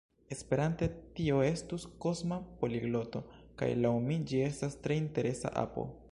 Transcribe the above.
Esperante tio estus Kosma Poligloto kaj laŭ mi ĝi estas tre interesa apo